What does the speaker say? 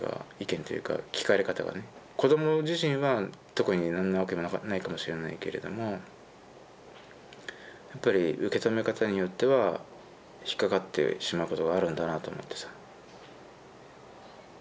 子ども自身は特に何の悪意もないかもしれないけれどもやっぱり受け止め方によっては引っ掛かってしまうことがあるんだなと思ってさ。